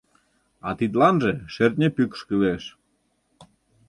А тидланже шӧртньӧ пӱкш кӱлеш.